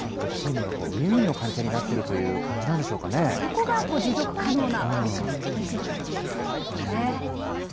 農家の皆さんとチームがウィンウィンの関係になっているといそこが持続可能な取り組みにつながっているんですね。